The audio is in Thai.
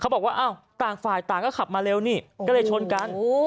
บอกว่าอ้าวต่างฝ่ายต่างก็ขับมาเร็วนี่ก็เลยชนกัน